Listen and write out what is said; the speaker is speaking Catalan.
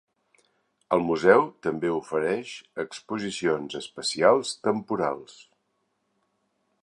El museu també ofereix exposicions especials temporals.